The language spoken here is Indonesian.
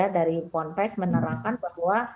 dari ponpes menerangkan bahwa